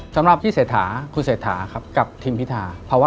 ผมเองกับคุณอุ้งอิ๊งเองเราก็รักกันเหมือนน้อง